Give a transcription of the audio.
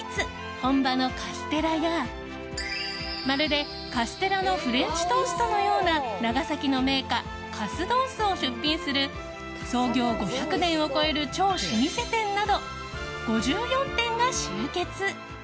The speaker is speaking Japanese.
本場のカステラやまるでカステラのフレンチトーストのような長崎の銘菓カスドースを出品する創業５００年を超える超老舗店など、５４店が集結。